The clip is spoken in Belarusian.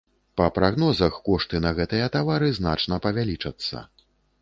Па прагнозах, кошты на гэтыя тавары значна павялічацца.